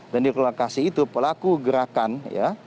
dan di lokasi itu pelaku gerakan ya